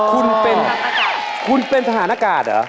คุณเป็นคุณเป็นทหารอากาศเหรอ